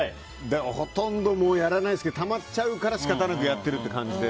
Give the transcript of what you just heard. ほとんどやらないですけどたまっちゃうから仕方なくやってるって感じで